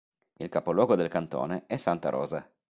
Il capoluogo del cantone è Santa Rosa.